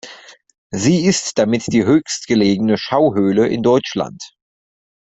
Sie ist damit die höchstgelegene Schauhöhle in Deutschland.